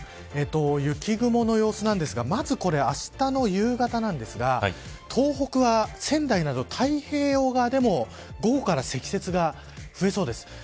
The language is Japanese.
雪雲の様子なんですがまず、あしたの夕方なんですが東北は、仙台など太平洋側でも午後から積雪が増えそうです。